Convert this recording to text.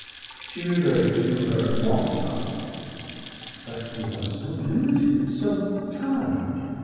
She reverted to her former topic. "But you are so limited, so tied!